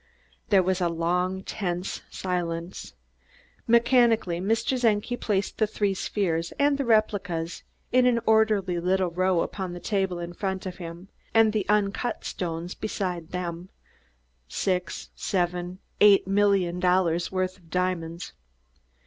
There was a long, tense silence. Mechanically Mr. Czenki placed the three spheres and the replicas in an orderly little row on the table in front of him and the uncut stones beside them six, seven, eight million dollars' worth of diamonds.